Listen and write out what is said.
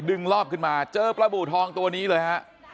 รอบขึ้นมาเจอปลาบูทองตัวนี้เลยฮะ